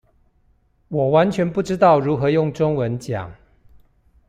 我完全不知道如何用中文講